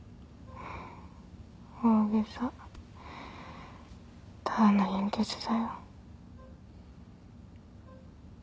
大げさただの貧血だよ。